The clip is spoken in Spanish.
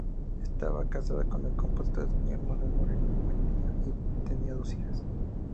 Estaba casada con el compositor español Manuel Moreno-Buendía y tenía dos hijas.